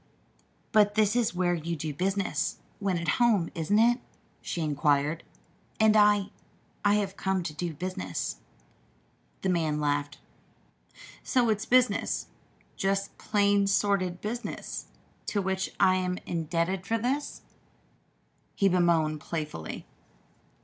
"But this is where you do business, when at home; isn't it?" she inquired. "And I I have come to do business." The man laughed. "So it's business just plain sordid business to which I am indebted for this," he bemoaned playfully.